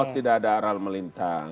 tidak ada aral melintang